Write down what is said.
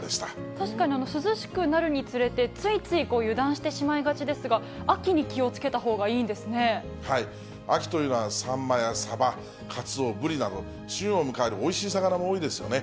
確かに、涼しくなるにつれて、ついつい油断してしまいがちですが、秋に気をつけたほうがいいん秋というのは、サンマやサバ、カツオ、ブリなど、旬を迎えるおいしい魚も多いですよね。